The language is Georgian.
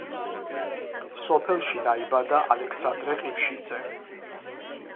სოფელში დაიბადა ალექსანდრე ყიფშიძე.